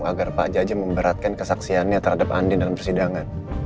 agar pak jajah memberatkan kesaksiannya terhadap andin dalam persidangan